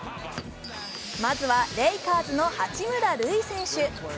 まずはレイカーズの八村塁選手。